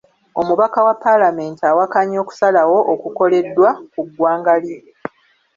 Omubaka wa paalamenti awakanya okusalawo okukoleddwa ku ggwanga lye.